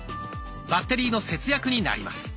バッテリーの節約になります。